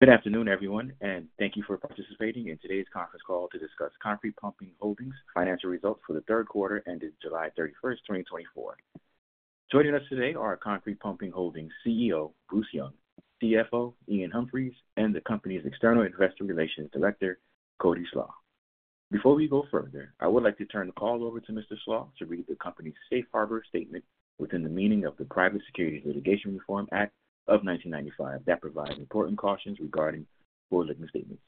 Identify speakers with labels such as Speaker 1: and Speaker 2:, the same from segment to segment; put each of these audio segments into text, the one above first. Speaker 1: Good afternoon, everyone, and thank you for participating in today's conference call to discuss Concrete Pumping Holdings financial results for the third quarter, ended July thirty-first, twenty twenty-four. Joining us today are Concrete Pumping Holdings CEO, Bruce Young, CFO, Iain Humphries, and the company's External Investor Relations Director, Cody Slach. Before we go further, I would like to turn the call over to Mr. Slach to read the company's Safe Harbor statement within the meaning of the Private Securities Litigation Reform Act of 1995, that provides important cautions regarding forward-looking statements.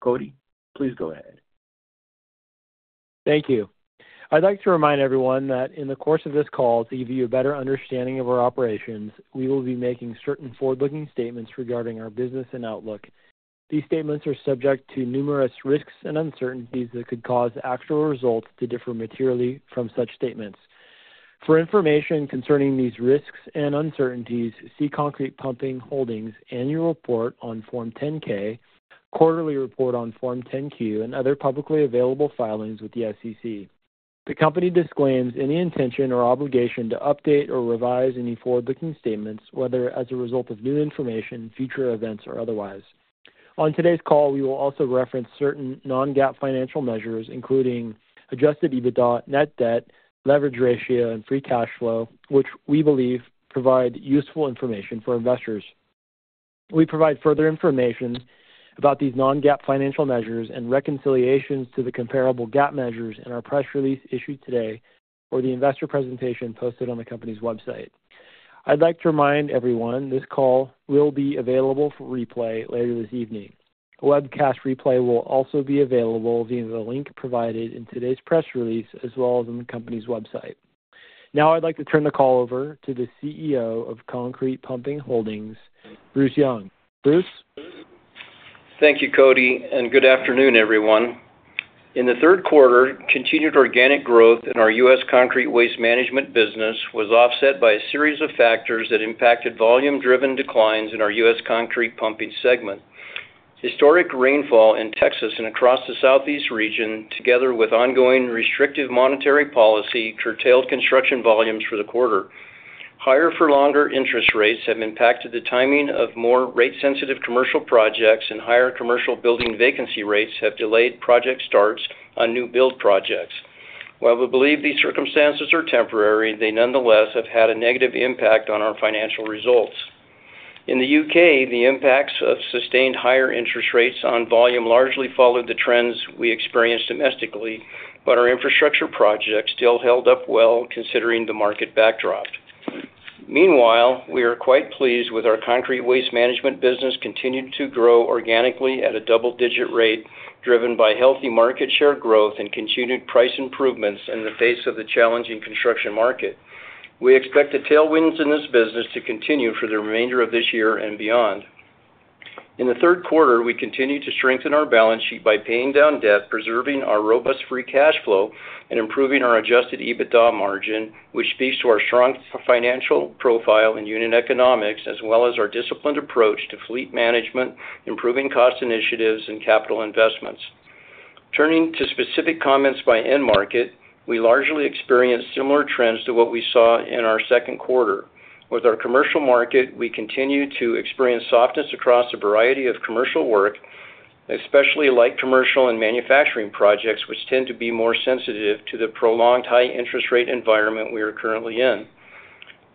Speaker 1: Cody, please go ahead.
Speaker 2: Thank you. I'd like to remind everyone that in the course of this call, to give you a better understanding of our operations, we will be making certain forward-looking statements regarding our business and outlook. These statements are subject to numerous risks and uncertainties that could cause actual results to differ materially from such statements. For information concerning these risks and uncertainties, see Concrete Pumping Holdings' annual report on Form 10-K, quarterly report on Form 10-Q, and other publicly available filings with the SEC. The company disclaims any intention or obligation to update or revise any forward-looking statements, whether as a result of new information, future events, or otherwise. On today's call, we will also reference certain non-GAAP financial measures, including Adjusted EBITDA, net debt, leverage ratio, and free cash flow, which we believe provide useful information for investors. We provide further information about these non-GAAP financial measures and reconciliations to the comparable GAAP measures in our press release issued today or the investor presentation posted on the company's website. I'd like to remind everyone, this call will be available for replay later this evening. A webcast replay will also be available via the link provided in today's press release, as well as on the company's website. Now, I'd like to turn the call over to the CEO of Concrete Pumping Holdings, Bruce Young. Bruce?
Speaker 3: Thank you, Cody, and good afternoon, everyone. In the third quarter, continued organic growth in our U.S. concrete waste management business was offset by a series of factors that impacted volume-driven declines in our U.S. concrete pumping segment. Historic rainfall in Texas and across the Southeast region, together with ongoing restrictive monetary policy, curtailed construction volumes for the quarter. Higher-for-longer interest rates have impacted the timing of more rate-sensitive commercial projects, and higher commercial building vacancy rates have delayed project starts on new build projects. While we believe these circumstances are temporary, they nonetheless have had a negative impact on our financial results. In the U.K., the impacts of sustained higher interest rates on volume largely followed the trends we experienced domestically, but our infrastructure projects still held up well, considering the market backdrop. Meanwhile, we are quite pleased with our concrete waste management business continued to grow organically at a double-digit rate, driven by healthy market share growth and continued price improvements in the face of the challenging construction market. We expect the tailwinds in this business to continue for the remainder of this year and beyond. In the third quarter, we continued to strengthen our balance sheet by paying down debt, preserving our robust free cash flow, and improving our Adjusted EBITDA margin, which speaks to our strong financial profile and unit economics, as well as our disciplined approach to fleet management, improving cost initiatives and capital investments. Turning to specific comments by end market, we largely experienced similar trends to what we saw in our second quarter. With our commercial market, we continue to experience softness across a variety of commercial work, especially light commercial and manufacturing projects, which tend to be more sensitive to the prolonged high interest rate environment we are currently in.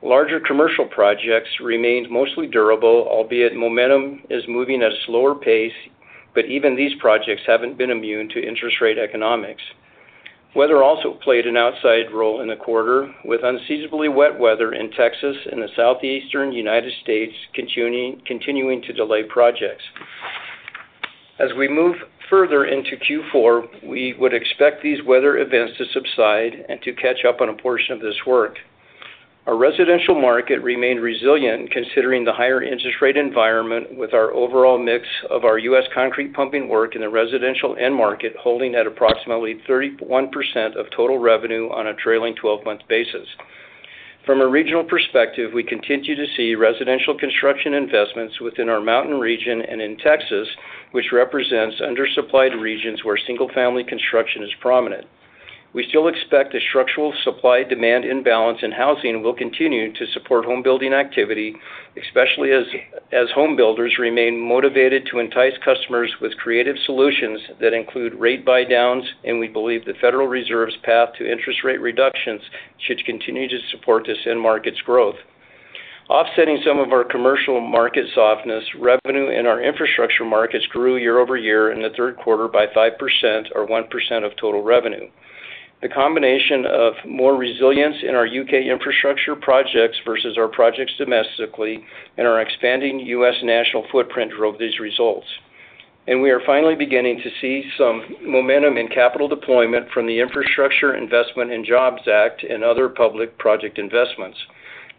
Speaker 3: Larger commercial projects remained mostly durable, albeit momentum is moving at a slower pace, but even these projects haven't been immune to interest rate economics. Weather also played an outside role in the quarter, with unseasonably wet weather in Texas and the southeastern United States continuing to delay projects. As we move further into Q4, we would expect these weather events to subside and to catch up on a portion of this work. Our residential market remained resilient, considering the higher interest rate environment, with our overall mix of our U.S. concrete pumping work in the residential end market holding at approximately 31% of total revenue on a trailing twelve-month basis. From a regional perspective, we continue to see residential construction investments within our Mountain region and in Texas, which represents undersupplied regions where single-family construction is prominent. We still expect a structural supply-demand imbalance in housing will continue to support home building activity, especially as home builders remain motivated to entice customers with creative solutions that include rate buydowns, and we believe the Federal Reserve's path to interest rate reductions should continue to support this end market's growth. Offsetting some of our commercial market softness, revenue in our infrastructure markets grew year over year in the third quarter by 5% or 1% of total revenue. The combination of more resilience in our U.K. infrastructure projects versus our projects domestically and our expanding U.S. national footprint drove these results. And we are finally beginning to see some momentum in capital deployment from the Infrastructure Investment and Jobs Act and other public project investments.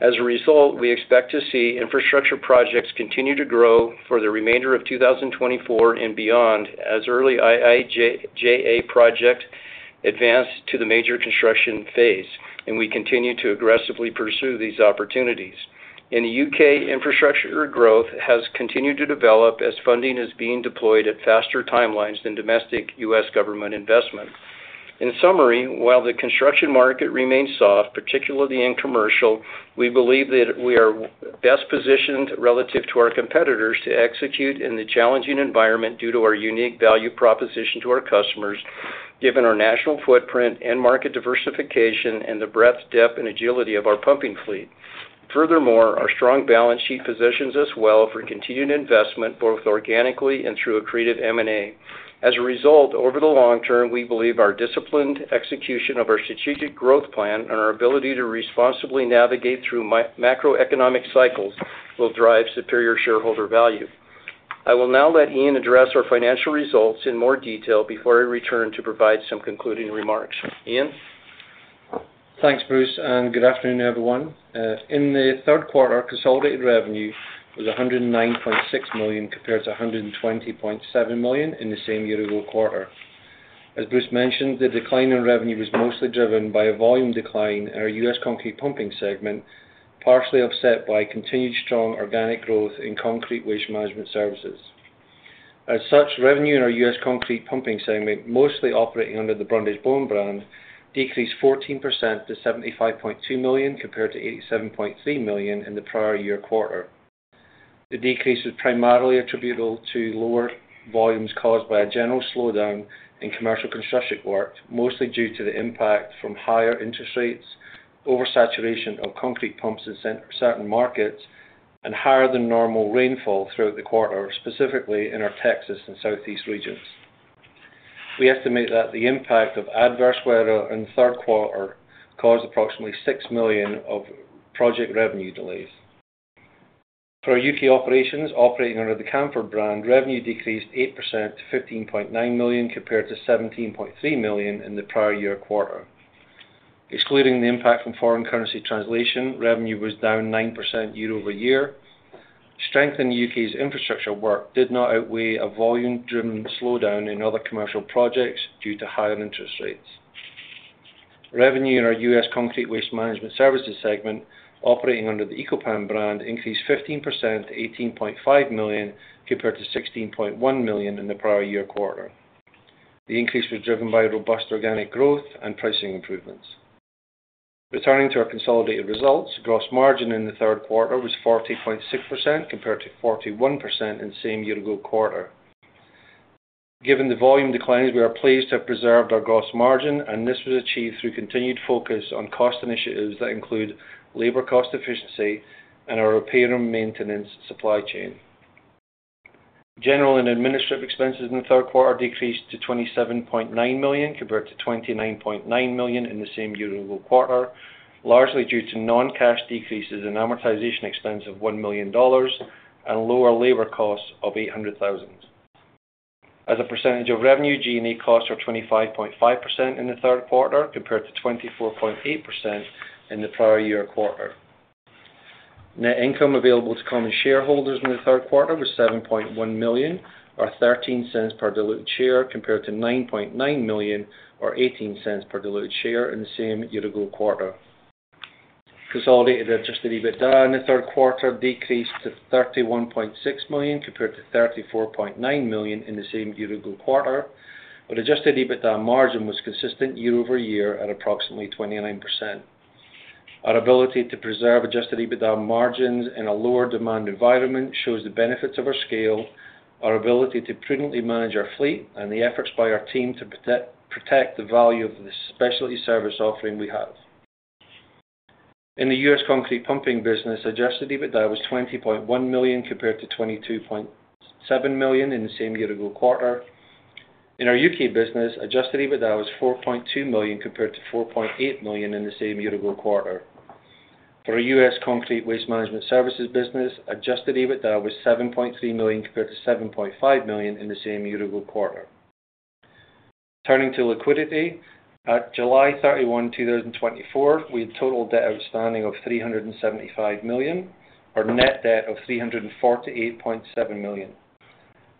Speaker 3: As a result, we expect to see infrastructure projects continue to grow for the remainder of 2024 and beyond, as early IIJA projects advance to the major construction phase, and we continue to aggressively pursue these opportunities. In the U.K., infrastructure growth has continued to develop as funding is being deployed at faster timelines than domestic U.S. government investment.... In summary, while the construction market remains soft, particularly in commercial, we believe that we are best positioned relative to our competitors to execute in the challenging environment due to our unique value proposition to our customers, given our national footprint and market diversification, and the breadth, depth, and agility of our pumping fleet. Furthermore, our strong balance sheet positions us well for continued investment, both organically and through accretive M&A. As a result, over the long term, we believe our disciplined execution of our strategic growth plan and our ability to responsibly navigate through macroeconomic cycles will drive superior shareholder value. I will now let Iain address our financial results in more detail before I return to provide some concluding remarks. Iain?
Speaker 4: Thanks, Bruce, and good afternoon, everyone. In the third quarter, our consolidated revenue was $109.6 million, compared to $120.7 million in the same year-ago quarter. As Bruce mentioned, the decline in revenue was mostly driven by a volume decline in our U.S. Concrete Pumping segment, partially offset by continued strong organic growth in Concrete Waste Management Services. As such, revenue in our U.S. Concrete Pumping segment, mostly operating under the Brundage-Bone brand, decreased 14% to $75.2 million, compared to $87.3 million in the prior year quarter. The decrease was primarily attributable to lower volumes caused by a general slowdown in commercial construction work, mostly due to the impact from higher interest rates, oversaturation of concrete pumps in certain markets, and higher than normal rainfall throughout the quarter, specifically in our Texas and Southeast regions. We estimate that the impact of adverse weather in the third quarter caused approximately $6 million of project revenue delays. For our U.K. operations, operating under the Camfaud brand, revenue decreased 8% to $15.9 million, compared to $17.3 million in the prior year quarter. Excluding the impact from foreign currency translation, revenue was down 9% year over year. Strength in the U.K.'s infrastructure work did not outweigh a volume-driven slowdown in other commercial projects due to higher interest rates. Revenue in our U.S. Concrete Waste Management Services segment, operating under the EcoPan brand, increased 15% to $18.5 million, compared to $16.1 million in the prior year quarter. The increase was driven by robust organic growth and pricing improvements. Returning to our consolidated results, gross margin in the third quarter was 40.6%, compared to 41% in the same year-ago quarter. Given the volume declines, we are pleased to have preserved our gross margin, and this was achieved through continued focus on cost initiatives that include labor cost efficiency and our repair and maintenance supply chain. General and administrative expenses in the third quarter decreased to $27.9 million, compared to $29.9 million in the same year-ago quarter, largely due to non-cash decreases in amortization expense of $1 million and lower labor costs of $800,000. As a percentage of revenue, G&A costs are 25.5% in the third quarter, compared to 24.8% in the prior year quarter. Net income available to common shareholders in the third quarter was $7.1 million, or $0.13 per diluted share, compared to $9.9 million, or $0.18 per diluted share in the same year-ago quarter. Consolidated adjusted EBITDA in the third quarter decreased to $31.6 million, compared to $34.9 million in the same year-ago quarter, but adjusted EBITDA margin was consistent year over year at approximately 29%. Our ability to preserve adjusted EBITDA margins in a lower demand environment shows the benefits of our scale, our ability to prudently manage our fleet, and the efforts by our team to protect the value of the specialty service offering we have. In the U.S. Concrete Pumping business, adjusted EBITDA was $20.1 million, compared to $22.7 million in the same year-ago quarter. In our U.K. business, adjusted EBITDA was $4.2 million, compared to $4.8 million in the same year-ago quarter. For our U.S. Concrete Waste Management Services business, adjusted EBITDA was $7.3 million, compared to $7.5 million in the same year-ago quarter. Turning to liquidity, at July 31, 2024, we had total debt outstanding of $375 million, or net debt of $348.7 million.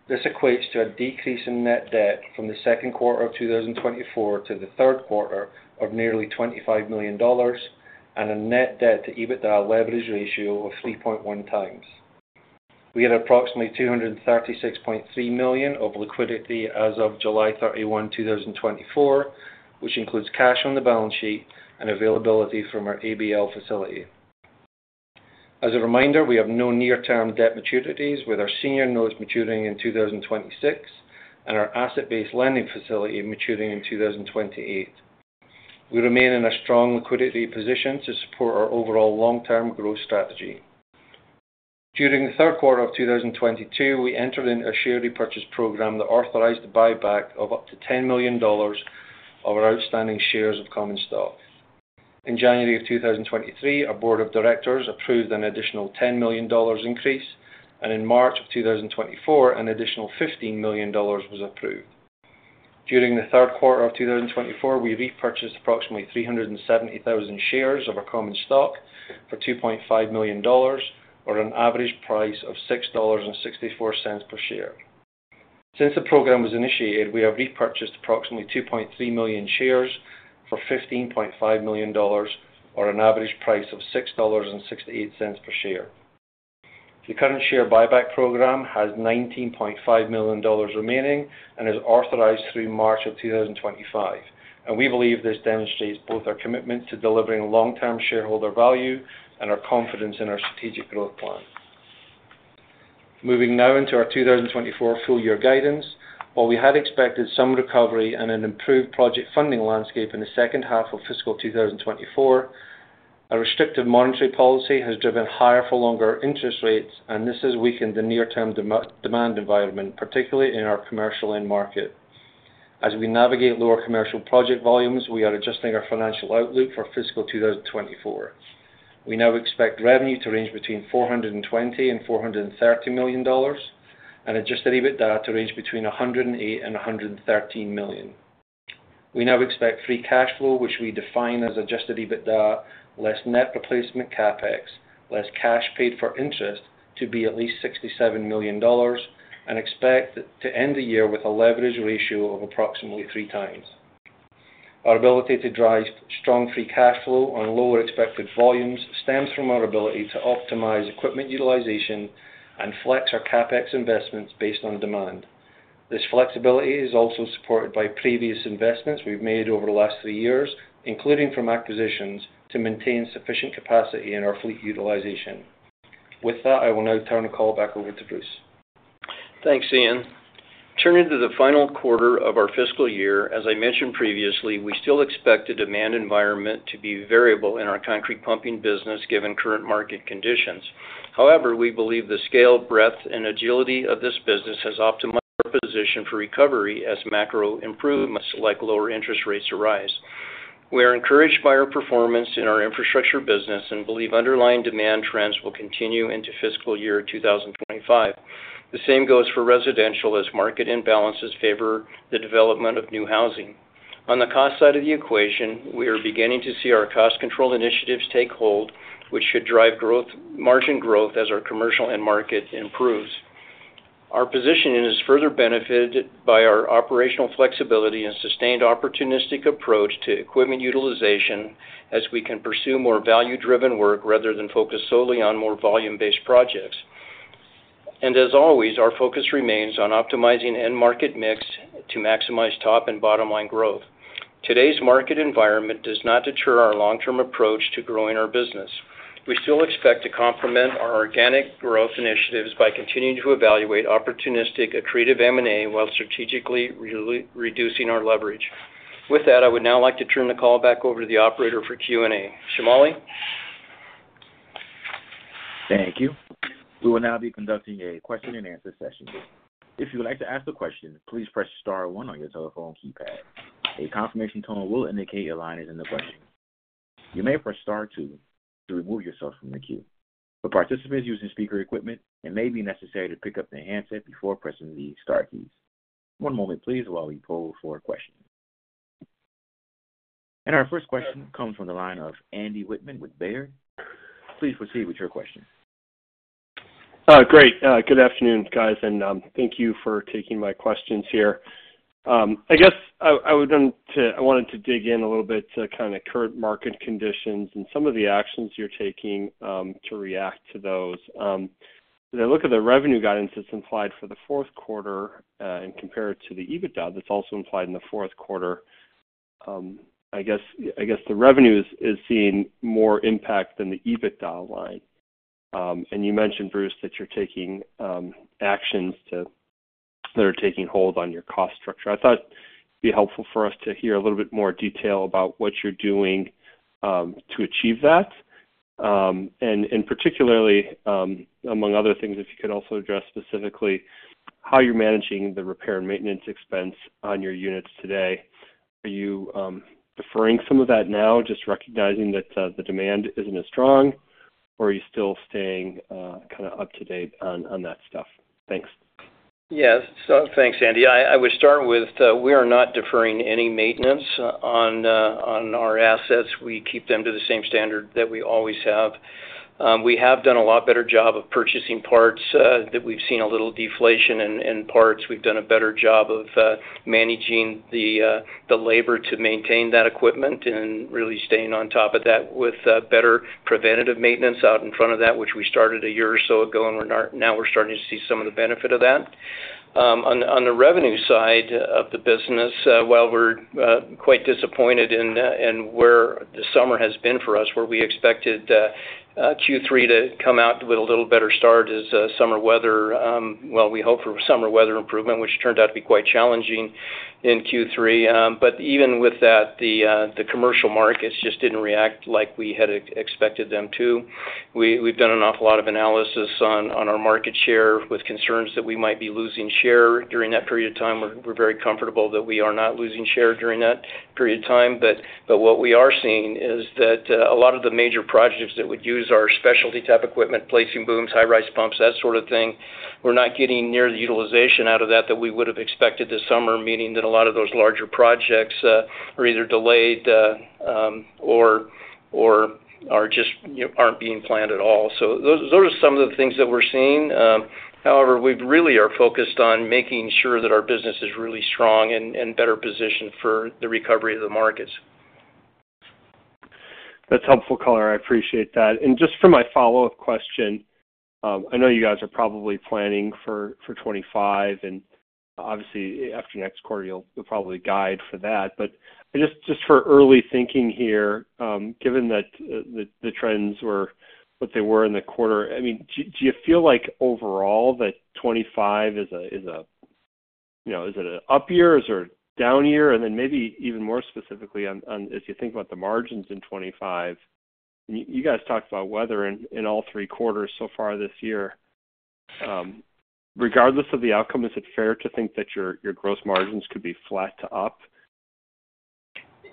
Speaker 4: This equates to a decrease in net debt from the second quarter of 2024 to the third quarter of nearly $25 million, and a net debt to EBITDA leverage ratio of 3.1 times. We had approximately $236.3 million of liquidity as of July 31, 2024, which includes cash on the balance sheet and availability from our ABL facility. As a reminder, we have no near-term debt maturities, with our senior notes maturing in 2026, and our asset-based lending facility maturing in 2028. We remain in a strong liquidity position to support our overall long-term growth strategy. During the third quarter of 2022, we entered into a share repurchase program that authorized the buyback of up to $10 million of our outstanding shares of common stock. In January of 2023, our board of directors approved an additional $10 million increase, and in March of 2024, an additional $15 million was approved. During the third quarter of 2024, we repurchased approximately 370,000 shares of our common stock for $2.5 million, or an average price of $6.64 per share. Since the program was initiated, we have repurchased approximately 2.3 million shares for $15.5 million, or an average price of $6.68 per share. The current share buyback program has $19.5 million remaining and is authorized through March of 2025, and we believe this demonstrates both our commitment to delivering long-term shareholder value and our confidence in our strategic growth plan. Moving now into our 2024 full year guidance. While we had expected some recovery and an improved project funding landscape in the second half of fiscal 2024, a restrictive monetary policy has driven higher for longer interest rates, and this has weakened the near-term demand environment, particularly in our commercial end market. As we navigate lower commercial project volumes, we are adjusting our financial outlook for fiscal 2024. We now expect revenue to range between $420 million and $430 million, and Adjusted EBITDA to range between $108 million and $113 million. We now expect free cash flow, which we define as Adjusted EBITDA less net replacement CapEx less cash paid for interest, to be at least $67 million, and expect to end the year with a leverage ratio of approximately 3 times. Our ability to drive strong free cash flow on lower expected volumes stems from our ability to optimize equipment utilization and flex our CapEx investments based on demand. This flexibility is also supported by previous investments we've made over the last three years, including from acquisitions, to maintain sufficient capacity in our fleet utilization. With that, I will now turn the call back over to Bruce.
Speaker 3: Thanks, Iain. Turning to the final quarter of our fiscal year, as I mentioned previously, we still expect the demand environment to be variable in our concrete pumping business, given current market conditions. However, we believe the scale, breadth, and agility of this business has optimized our position for recovery as macro improvements, like lower interest rates, arise. We are encouraged by our performance in our infrastructure business and believe underlying demand trends will continue into fiscal year two thousand twenty-five. The same goes for residential, as market imbalances favor the development of new housing. On the cost side of the equation, we are beginning to see our cost control initiatives take hold, which should drive growth, margin growth, as our commercial end market improves. Our positioning is further benefited by our operational flexibility and sustained opportunistic approach to equipment utilization, as we can pursue more value-driven work rather than focus solely on more volume-based projects. And as always, our focus remains on optimizing end market mix to maximize top and bottom line growth. Today's market environment does not deter our long-term approach to growing our business. We still expect to complement our organic growth initiatives by continuing to evaluate opportunistic, accretive M&A while strategically reducing our leverage. With that, I would now like to turn the call back over to the operator for Q&A. Shamali?
Speaker 1: Thank you. We will now be conducting a question-and-answer session. If you would like to ask a question, please press star one on your telephone keypad. A confirmation tone will indicate your line is in the question. You may press star two to remove yourself from the queue. For participants using speaker equipment, it may be necessary to pick up the handset before pressing the star keys. One moment please while we poll for questions. And our first question comes from the line of Andy Wittmann with Baird. Please proceed with your question.
Speaker 5: Great. Good afternoon, guys, and thank you for taking my questions here. I wanted to dig in a little bit to kind of current market conditions and some of the actions you're taking to react to those. As I look at the revenue guidance that's implied for the fourth quarter, and compare it to the EBITDA that's also implied in the fourth quarter, I guess the revenue is seeing more impact than the EBITDA line. And you mentioned, Bruce, that you're taking actions to that are taking hold on your cost structure. I thought it'd be helpful for us to hear a little bit more detail about what you're doing to achieve that. And particularly, among other things, if you could also address specifically how you're managing the repair and maintenance expense on your units today. Are you deferring some of that now, just recognizing that the demand isn't as strong, or are you still staying kind of up to date on that stuff? Thanks.
Speaker 3: Yes. So, thanks, Andy. I would start with we are not deferring any maintenance on our assets. We keep them to the same standard that we always have. We have done a lot better job of purchasing parts that we've seen a little deflation in parts. We've done a better job of managing the labor to maintain that equipment and really staying on top of that with better preventative maintenance out in front of that, which we started a year or so ago, and we're now starting to see some of the benefit of that. On the revenue side of the business, while we're quite disappointed in where the summer has been for us, where we expected Q3 to come out with a little better start as summer weather, well, we hoped for summer weather improvement, which turned out to be quite challenging in Q3, but even with that, the commercial markets just didn't react like we had expected them to. We've done an awful lot of analysis on our market share with concerns that we might be losing share during that period of time. We're very comfortable that we are not losing share during that period of time. But what we are seeing is that a lot of the major projects that would use our specialty-type equipment, placing booms, high-rise pumps, that sort of thing, we're not getting near the utilization out of that that we would've expected this summer. Meaning that a lot of those larger projects are either delayed or are just, you know, aren't being planned at all. So those are some of the things that we're seeing. However, we really are focused on making sure that our business is really strong and better positioned for the recovery of the markets.
Speaker 5: That's helpful color. I appreciate that. And just for my follow-up question, I know you guys are probably planning for 2025, and obviously, after next quarter, you'll probably guide for that. But just for early thinking here, given that the trends were what they were in the quarter, I mean, do you feel like overall that 2025 is a, you know, is it an up year? Is it a down year? And then maybe even more specifically on as you think about the margins in 2025, you guys talked about weather in all three quarters so far this year. Regardless of the outcome, is it fair to think that your gross margins could be flat to up?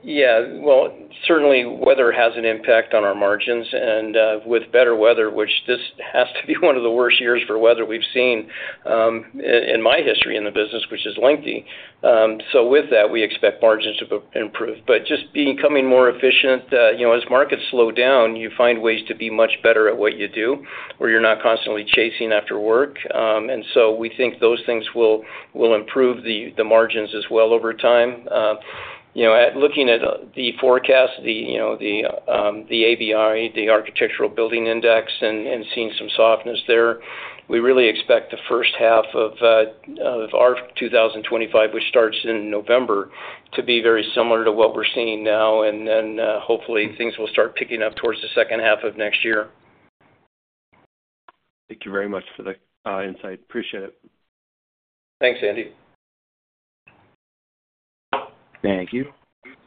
Speaker 3: Yeah, well, certainly, weather has an impact on our margins, and with better weather, which this has to be one of the worst years for weather we've seen, in my history in the business, which is lengthy. So with that, we expect margins to improve. But just becoming more efficient, you know, as markets slow down, you find ways to be much better at what you do, where you're not constantly chasing after work. And so we think those things will improve the margins as well over time. You know, looking at the forecast, you know, the ABI, the Architectural Billings Index, and seeing some softness there, we really expect the first half of our 2025, which starts in November, to be very similar to what we're seeing now, and then hopefully things will start picking up towards the second half of next year.
Speaker 5: Thank you very much for the insight. Appreciate it.
Speaker 3: Thanks, Andy.
Speaker 1: Thank you.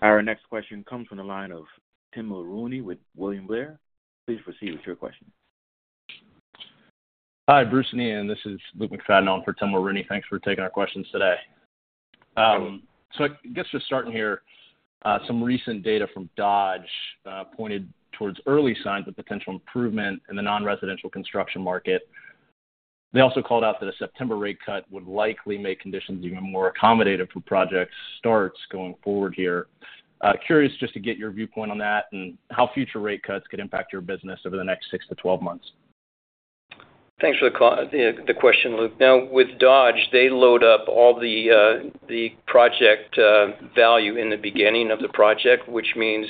Speaker 1: Our next question comes from the line of Tim Mulrooney with William Blair. Please proceed with your question.
Speaker 6: Hi, Bruce and Ian. This is Luke McFadden on for Tim Mulrooney. Thanks for taking our questions today, so I guess just starting here, some recent data from Dodge pointed towards early signs of potential improvement in the non-residential construction market. They also called out that a September rate cut would likely make conditions even more accommodative for project starts going forward here. Curious just to get your viewpoint on that and how future rate cuts could impact your business over the next six to twelve months.
Speaker 3: Thanks for the call, the question, Luke. Now, with Dodge, they load up all the project value in the beginning of the project, which means,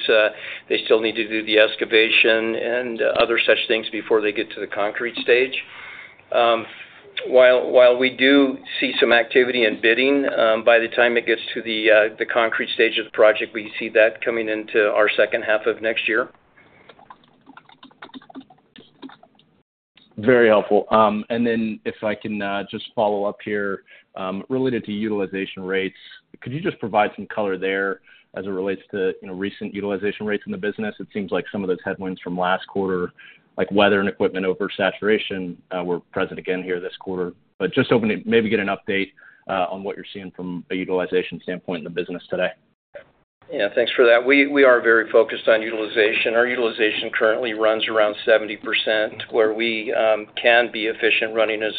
Speaker 3: they still need to do the excavation and other such things before they get to the concrete stage. While we do see some activity in bidding, by the time it gets to the concrete stage of the project, we see that coming into our second half of next year.
Speaker 6: Very helpful. And then if I can, just follow up here, related to utilization rates, could you just provide some color there as it relates to, you know, recent utilization rates in the business? It seems like some of those headwinds from last quarter, like weather and equipment oversaturation, were present again here this quarter. But just hoping to maybe get an update, on what you're seeing from a utilization standpoint in the business today.
Speaker 3: Yeah, thanks for that. We are very focused on utilization. Our utilization currently runs around 70%, where we can be efficient running as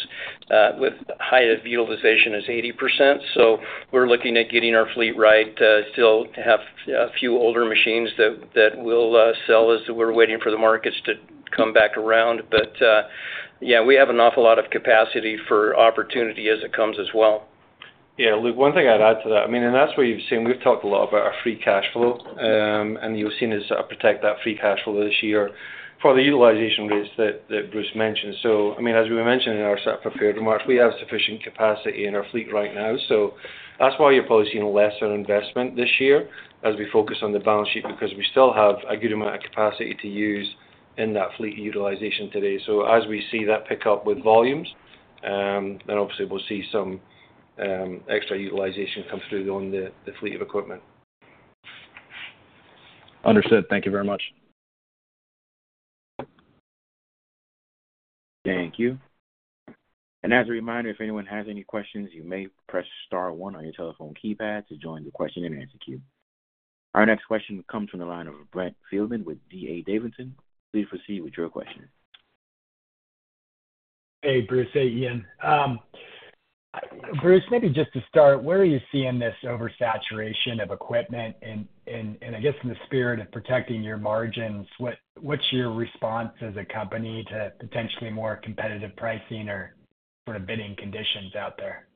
Speaker 3: with high utilization as 80%. So we're looking at getting our fleet right. Still have a few older machines that we'll sell as we're waiting for the markets to come back around. But yeah, we have an awful lot of capacity for opportunity as it comes as well.
Speaker 4: Yeah, Luke, one thing I'd add to that. I mean, and that's where you've seen, we've talked a lot about our free cash flow, and you've seen us protect that free cash flow this year for the utilization rates that that Bruce mentioned. So, I mean, as we mentioned in our set of prepared remarks, we have sufficient capacity in our fleet right now. So that's why you're probably seeing lesser investment this year as we focus on the balance sheet, because we still have a good amount of capacity to use in that fleet utilization today. So as we see that pick up with volumes, then obviously we'll see some extra utilization come through on the fleet of equipment.
Speaker 6: Understood. Thank you very much.
Speaker 1: Thank you. And as a reminder, if anyone has any questions, you may press star one on your telephone keypad to join the question-and-answer queue. Our next question comes from the line of Brent Thielman with D.A. Davidson. Please proceed with your question.
Speaker 5: Hey, Bruce. Hey, Iain. Bruce, maybe just to start, where are you seeing this oversaturation of equipment? And I guess in the spirit of protecting your margins, what's your response as a company to potentially more competitive pricing or sort of bidding conditions out there?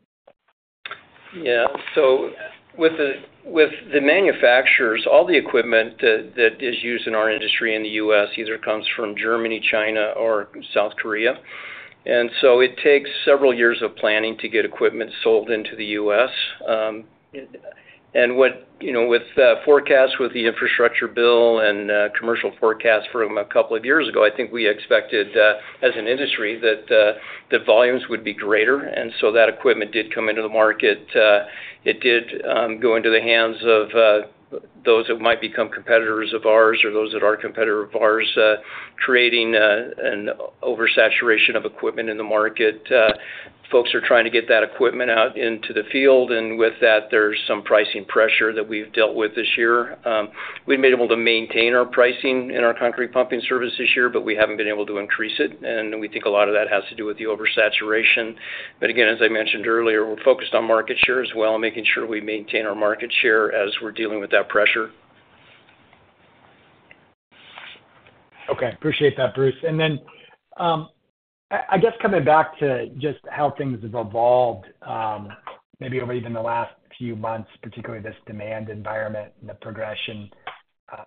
Speaker 3: Yeah. So with the manufacturers, all the equipment that is used in our industry in the U.S. either comes from Germany, China, or South Korea. And so it takes several years of planning to get equipment sold into the U.S. And what, you know, with forecasts, with the infrastructure bill and commercial forecast from a couple of years ago, I think we expected as an industry that the volumes would be greater, and so that equipment did come into the market. It did go into the hands of those that might become competitors of ours or those that are competitor of ours, creating an oversaturation of equipment in the market. Folks are trying to get that equipment out into the field, and with that, there's some pricing pressure that we've dealt with this year. We've been able to maintain our pricing in our concrete pumping service this year, but we haven't been able to increase it, and we think a lot of that has to do with the oversaturation. But again, as I mentioned earlier, we're focused on market share as well, making sure we maintain our market share as we're dealing with that pressure.
Speaker 7: Okay, appreciate that, Bruce. And then, I guess coming back to just how things have evolved, maybe over even the last few months, particularly this demand environment and the progression,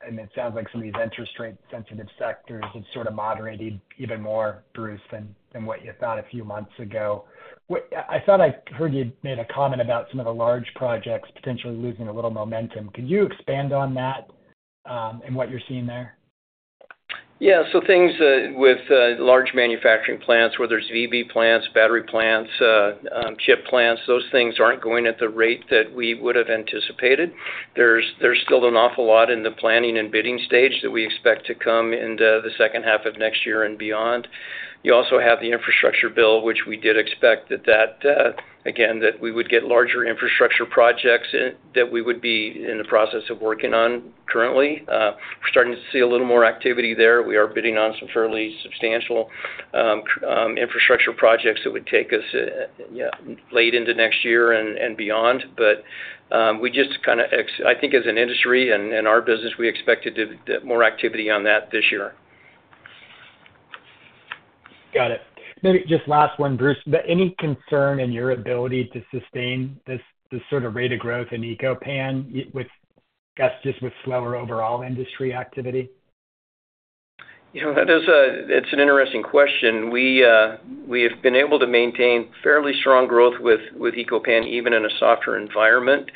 Speaker 7: and it sounds like some of these interest rate sensitive sectors have sort of moderated even more, Bruce, than what you thought a few months ago. What? I thought I heard you make a comment about some of the large projects potentially losing a little momentum. Could you expand on that, and what you're seeing there?
Speaker 3: Yeah. So things with large manufacturing plants, whether it's EV plants, battery plants, chip plants, those things aren't going at the rate that we would have anticipated. There's still an awful lot in the planning and bidding stage that we expect to come into the second half of next year and beyond. You also have the infrastructure bill, which we did expect that again that we would get larger infrastructure projects in that we would be in the process of working on currently. We're starting to see a little more activity there. We are bidding on some fairly substantial infrastructure projects that would take us yeah late into next year and beyond. But we just kinda ex-- I think as an industry and our business, we expected to more activity on that this year.
Speaker 7: Got it. Maybe just last one, Bruce. Any concern in your ability to sustain this, this sort of rate of growth in EcoPan with, I guess, just with slower overall industry activity?
Speaker 3: You know, that's an interesting question. We, we have been able to maintain fairly strong growth with EcoPan, even in a softer environment,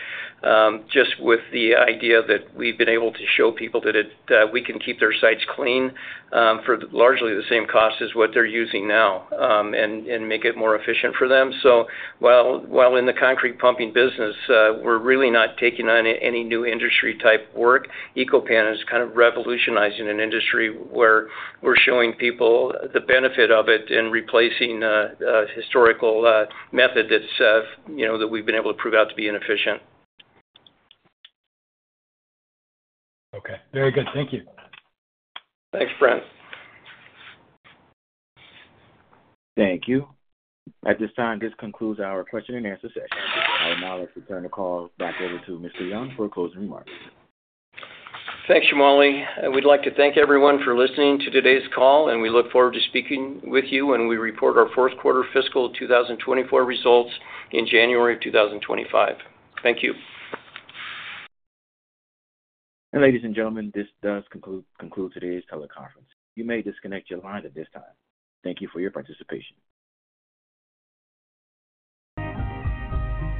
Speaker 3: just with the idea that we've been able to show people that we can keep their sites clean, for largely the same cost as what they're using now, and make it more efficient for them. So while in the concrete pumping business, we're really not taking on any new industry type work, EcoPan is kind of revolutionizing an industry where we're showing people the benefit of it in replacing a historical method that's, you know, that we've been able to prove out to be inefficient.
Speaker 7: Okay, very good. Thank you.
Speaker 3: Thanks, Brent.
Speaker 1: Thank you. At this time, this concludes our question and answer session. I would now like to turn the call back over to Mr. Young for closing remarks.
Speaker 3: Thanks, Shamali. I would like to thank everyone for listening to today's call, and we look forward to speaking with you when we report our fourth quarter fiscal 2024 results in January of 2025. Thank you.
Speaker 1: Ladies and gentlemen, this does conclude today's teleconference. You may disconnect your line at this time. Thank you for your participation.